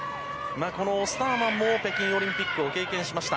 このオスターマンも北京オリンピックを経験しました。